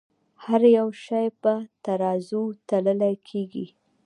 هر يو شے پۀ ترازو تللے کيږې